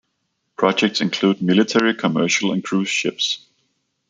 Projects include military, commercial, and cruise ships.